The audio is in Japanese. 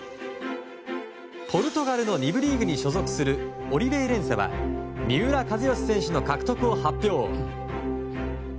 ポルトガルの２部リーグに所属するオリヴェイレンセは三浦知良選手の獲得を発表。